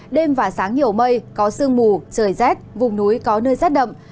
đêm và sáng nhiều mây có sương mù trời rét vùng núi có nơi rét đậm